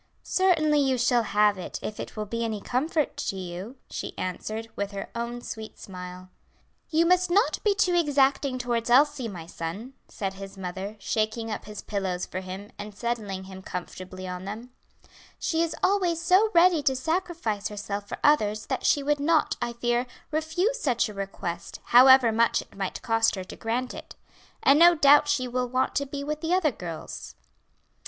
"Certainly you shall have it, if it will be any comfort to you," she answered, with her own sweet smile. "You must not be too exacting towards Elsie, my son," said his mother, shaking up his pillows for him, and settling him comfortably on them; "she is always so ready to sacrifice herself for others that she would not, I fear, refuse such a request, however much it might cost her to grant it. And no doubt she will want to be with the other girls."